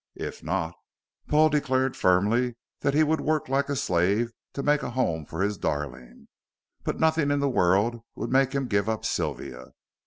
If not, Paul declared firmly that he would work like a slave to make a home for his darling. But nothing in the world would make him give up Sylvia.